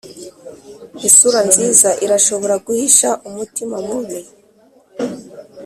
isura nziza irashobora guhisha umutima mubi.